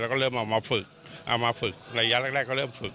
แล้วก็เริ่มเอามาฝึกเอามาฝึกระยะแรกก็เริ่มฝึก